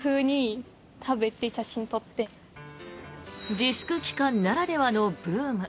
自粛期間ならではのブーム。